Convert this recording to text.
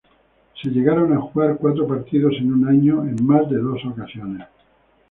Se llegaron a jugar cuatro partidos en un año en más de dos ocasiones.